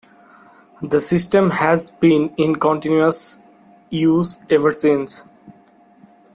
The system has been in continuous use ever since.